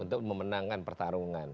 untuk memenangkan pertarungan